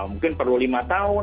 mungkin perlu lima tahun